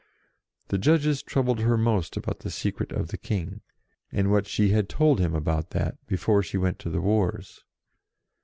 The judges troubled her most about the secret of the King, and what she told him about that, before she went to the wars.